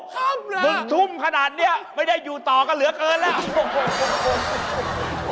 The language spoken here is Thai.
ครับละมึงทุ่มขนาดนี้ไม่ได้อยู่ต่อก็เหลือเกินแล้ว